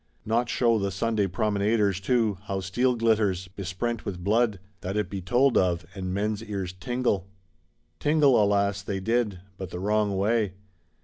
Not show the Sunday promenaders too, how steel glitters, besprent with blood; that it be told of, and men's ears tingle?—Tingle, alas, they did; but the wrong way.